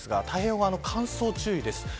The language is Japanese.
太平洋側の乾燥注意です。